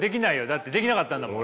だってできなかったんだもん。